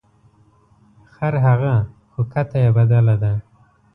خرهغه خو کته یې بدله ده .